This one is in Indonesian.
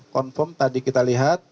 konfirm tadi kita lihat